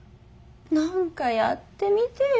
何かやってみてよ。